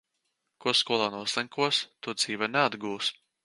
Ko skolā noslinkosi, to dzīvē neatgūsi.